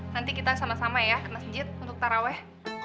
nanti kita sama sama ya ke masjid untuk taraweh